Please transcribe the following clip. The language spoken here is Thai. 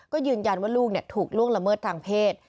ก็ยืนยันว่าลูกถูกล่วงละเมิดทางเพศ